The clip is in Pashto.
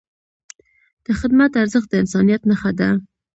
د خدمت ارزښت د انسانیت نښه ده.